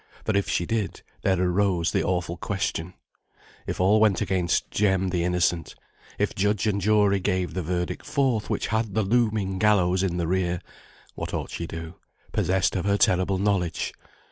For if she did, there arose the awful question, if all went against Jem the innocent, if judge and jury gave the verdict forth which had the looming gallows in the rear, what ought she to do, possessed of her terrible knowledge?